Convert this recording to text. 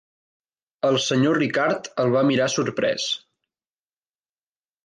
El senyor Ricard el va mirar sorprès.